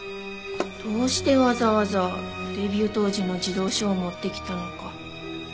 どうしてわざわざデビュー当時の児童書を持ってきたのか。